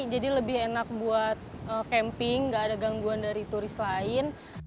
jadi lebih enak buat camping nggak ada gangguan dari turis lain